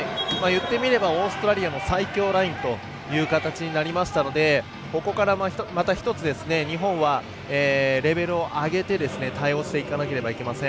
オーストラリアの最強ラインという形になりましたのでここからまた１つ日本はレベルを上げて対応していかなければいけません。